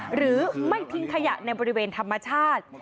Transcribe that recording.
หรือไม่ทิ้งขยะในบริเวณธรรมชาติ